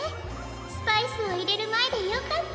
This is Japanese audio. スパイスをいれるまえでよかった！